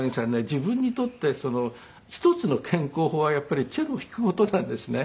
自分にとって一つの健康法はやっぱりチェロを弾く事なんですね。